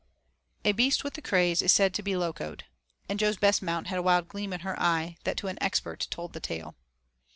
A beast with the craze is said to be locoed. And Jo's best mount had a wild gleam in her eye that to an expert told the tale.